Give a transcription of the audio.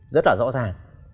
rất là rõ ràng